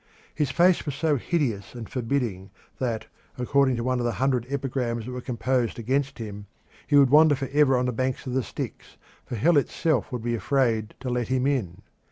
His face was so hideous and forbidding that, according to one of the hundred epigrams that were composed against him, he would wander for ever on the banks of the Styx, for hell itself would be afraid to let him in.